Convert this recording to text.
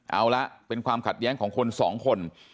เอาละเป็นความขัดแย้งของคนสองคน